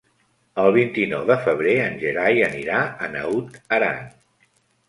El vint-i-nou de febrer en Gerai anirà a Naut Aran.